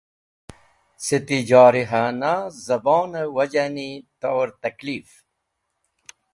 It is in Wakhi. Cẽ ti jarihona zẽbonẽ wajani tor tẽklif.